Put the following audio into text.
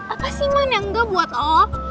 apa sih man yang gak buat o